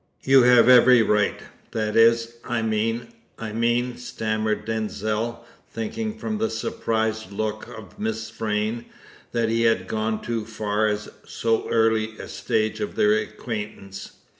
"You have every right that is, I mean I mean," stammered Denzil, thinking from the surprised look of Miss Vrain that he had gone too far at so early a stage of their acquaintance.